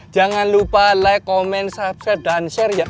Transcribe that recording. jangan lupa like komen surfer dan share ya